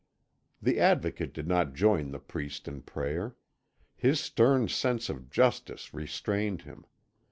The Advocate did not join the priest in prayer. His stern sense of justice restrained him.